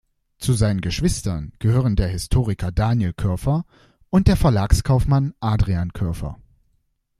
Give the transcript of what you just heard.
Zu seinen Geschwistern gehören der Historiker Daniel Koerfer und der Verlagskaufmann Adrian Koerfer.